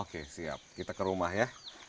oke siap kita ke rumah ya